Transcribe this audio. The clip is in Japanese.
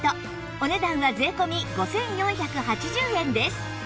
お値段は税込５４８０円です